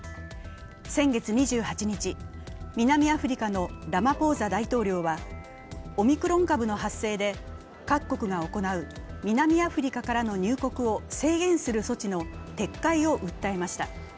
先月２８日、南アフリカのラマポーザ大統領はオミクロン株の発生で各国が行う南アフリカからの入国を制限する措置の撤回を訴えました。